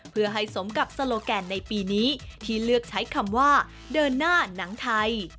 เพื่อให้สมกับโซโลแกนในปีนี้ที่เลือกใช้คำว่าเดินหน้าหนังไทย